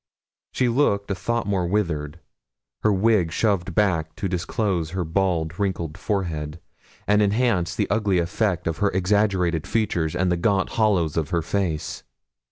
She looked a thought more withered. Her wig shoved back disclosed her bald wrinkled forehead, and enhanced the ugly effect of her exaggerated features and the gaunt hollows of her face.